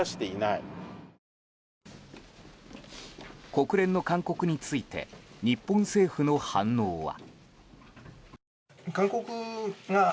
国連の勧告について日本政府の反応は。